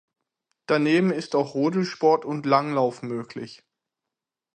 Daneben ist auch Rodelsport und Langlauf möglich.